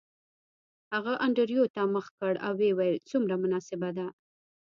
هغه انډریو ته مخ کړ او ویې ویل څومره مناسبه ده